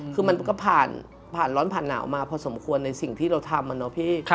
คือมันก็ผ่านร้อนผ่านหนาวมาพอสมควรในสิ่งที่เราทำอะเนาะพี่